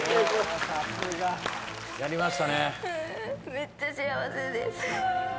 めっちゃ幸せです。